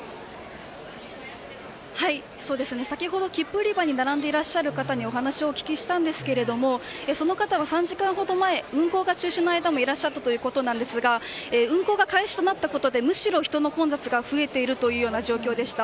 先ほど切符売り場に並んでいらっしゃる方にお話をお聞きしたんですがその方は３時間ほど前運行中止の間もいらっしゃったということですが運行開始となったことでむしろ人の混雑が増えている状況ということでした。